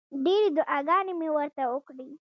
ډېرې دعاګانې مې ورته وکړې.